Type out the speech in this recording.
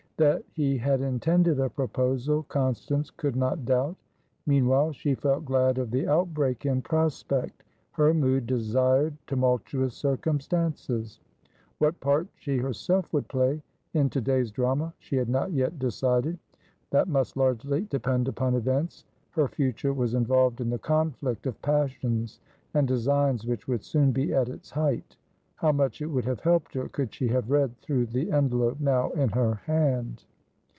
That he had intended a proposal, Constance could not doubt. Meanwhile, she felt glad of the outbreak in prospect; her mood desired tumultuous circumstances. What part she herself would play in to day's drama, she had not yet decided; that must largely depend upon events. Her future was involved in the conflict of passions and designs which would soon be at its height. How much it would have helped her could she have read through the envelope now in her hand!